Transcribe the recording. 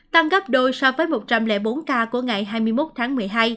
tăng gấp đôi so với một trăm linh bốn ca của ngày hai mươi một tháng một mươi hai